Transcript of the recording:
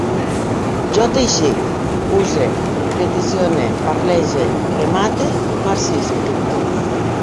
Jo teixisc, use, peticione, perlege, remate, marcisc